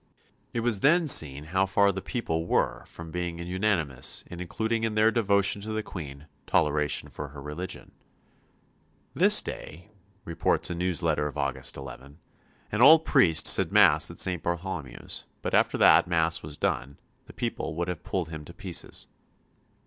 It was then seen how far the people were from being unanimous in including in their devotion to the Queen toleration for her religion. "This day," reports a news letter of August 11, "an old priest said Mass at St. Bartholomew's, but after that Mass was done, the people would have pulled him to pieces."